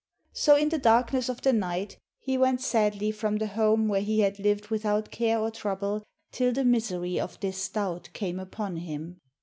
So in the darkness of the night he went sadly from the home where he had lived without care or trouble till the mis ery of this doubt came upon him.